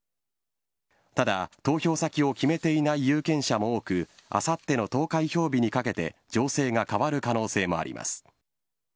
ただ、投票先を決めていない有権者も多くあさっての投開票日にかけて情勢が変わる可能性もあります。